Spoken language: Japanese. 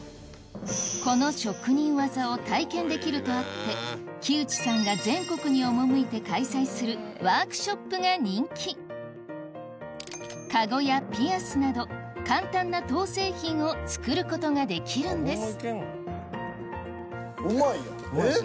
この職人技を体験できるとあって木内さんが全国に赴いて開催する籠やピアスなど簡単な籐製品を作ることできるんですうまいやん。